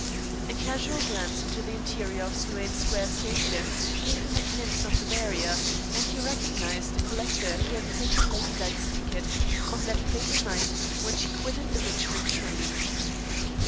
A casual glance into the interior of Sloane Square Station gave him a glimpse of the barrier, and he recognized the collector who had taken Lady Dyke's ticket on that fatal night when she quitted the Richmond train.